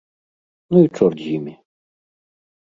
Ну і чорт з імі!